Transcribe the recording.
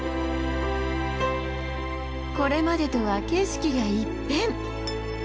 これまでとは景色が一変。